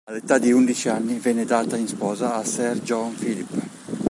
All'età di undici anni venne data in sposa a Sir John Philip.